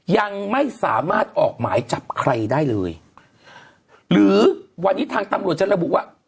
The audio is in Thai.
ยังไม่สามารถออกหมายจับใครได้เลยหรือวันนี้ทางตำรวจจะระบุว่า